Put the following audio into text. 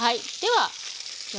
はい。